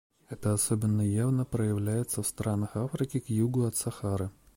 Это особенно явно проявляется в странах Африки к югу от Сахары.